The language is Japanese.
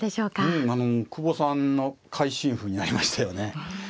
うんあの久保さんの会心譜になりましたよね。